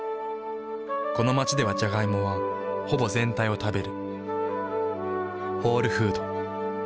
この街ではジャガイモはほぼ全体を食べる。